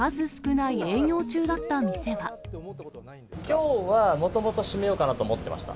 きょうはもともと閉めようかなと思ってました。